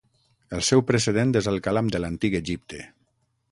El seu precedent és el càlam de l'antic Egipte.